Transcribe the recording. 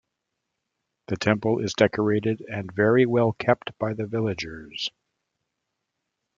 The temple is decorated and very well kept by the villagers.